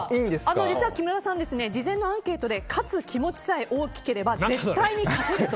実は木村さん事前のアンケートで勝つ気持ちさえ大きければ絶対勝てると。